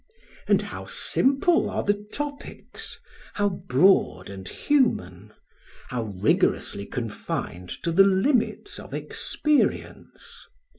And how simple are the topics, how broad and human, how rigorously confined to the limits of experience!